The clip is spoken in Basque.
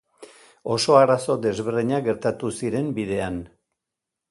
Oso arazo desberdinak gertatu ziren bidean.